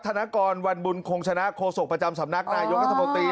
ธนกรวันบุญคงชนะโฆษกประจำสำนักนายกรัฐมนตรี